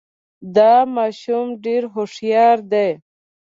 دا ماشوم ډېر هوښیار دی